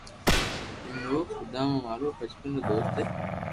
ھي او سوداما مارو بچپن رو دوست ھي